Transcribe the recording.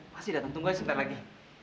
pasti datang tunggu aja sebentar lagi